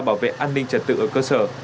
bảo vệ an ninh trật tự ở cơ sở